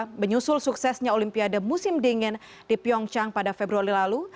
olimpiade dua ribu tiga puluh dua menyusul suksesnya olimpiade musim dingin di pyeongchang pada februari lalu